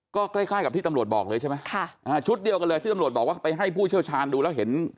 ก็ใกล้ใกล้กับที่ตำรวจบอกเลยใช่ไหมค่ะอ่าชุดเดียวกันเลยที่ตำรวจบอกว่าไปให้ผู้เชี่ยวชาญดูแล้วเห็น